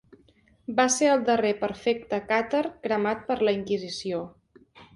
Va ser el darrer perfecte càtar cremat per la Inquisició.